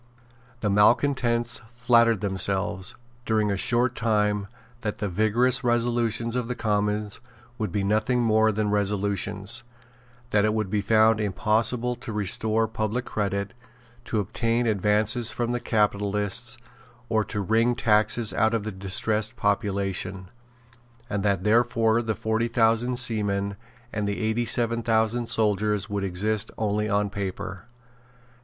The malecontents flattered themselves, during a short time, that the vigorous resolutions of the Commons would be nothing more than resolutions, that it would be found impossible to restore public credit, to obtain advances from capitalists, or to wring taxes out of the distressed population, and that therefore the forty thousand seamen and the eighty seven thousand soldiers would exist only on paper.